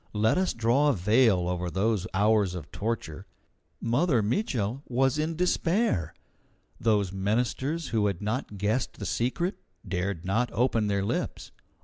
Let us draw a veil over those hours of torture. Mother Mitchel was in despair. Those ministers who had not guessed the secret dared not open their lips.